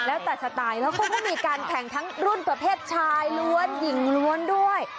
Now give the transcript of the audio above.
แล้วแต่สไตล์แล้วเขาก็มีการแข่งทั้งรุ่นประเภทชายล้วนหญิงล้วนด้วย